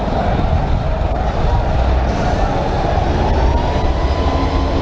เมื่อเวลาอันดับสุดท้ายมันกลายเป็นภูมิที่สุดท้าย